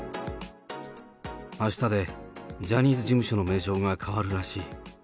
あしたでジャニーズ事務所の名称が変わるらしい。